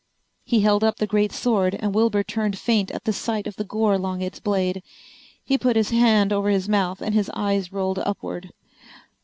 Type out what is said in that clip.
He held up the great sword and Wilbur turned faint at the sight of the gore along its blade. He put his hand over his mouth and his eyes rolled upward.